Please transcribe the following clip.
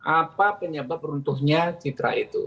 apa penyebab runtuhnya citra itu